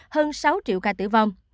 hơn sáu triệu ca tử vong